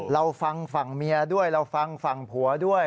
เราฟังฝั่งเมียด้วยเราฟังฝั่งผัวด้วย